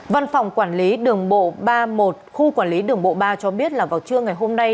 văn phòng quản lý đường bộ ba mươi một khu quản lý đường bộ ba cho biết là vào trưa ngày hôm nay